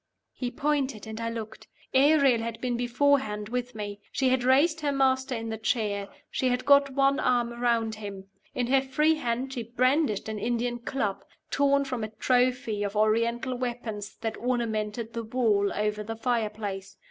He pointed; and I looked. Ariel had been beforehand with me. She had raised her master in the chair; she had got one arm around him. In her free hand she brandished an Indian club, torn from a "trophy" of Oriental weapons that ornamented the wall over the fire place.